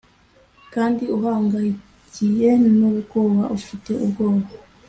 kandi uhangayike n'ubwoba ufite ubwoba,